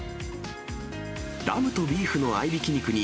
ラムとビーフの合いびき肉に、